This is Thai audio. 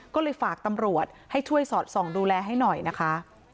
ก็เลยฝากตำรวจให้ช่วยสอดส่องดูแลให้หน่อยนะคะ